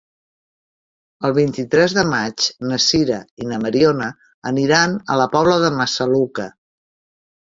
El vint-i-tres de maig na Sira i na Mariona aniran a la Pobla de Massaluca.